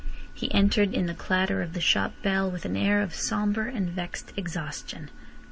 He entered in the clatter of the shop bell with an air of sombre and vexed exhaustion.